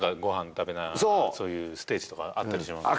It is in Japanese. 食べながらそういうステージとかあったりしますよね